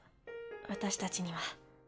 私たちには。